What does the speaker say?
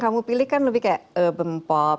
kamu pilih kan lebih kayak urban pop